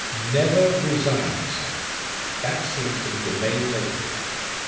"Never resign yourself! that seems to be the main note of it.